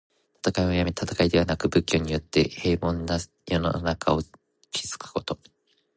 戦いをやめ、戦いではなく、文教によって平穏な世の中を築くこと。